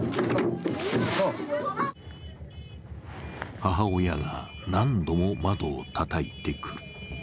母親が何度も窓をたたいてくる。